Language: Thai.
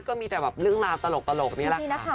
เกินพี่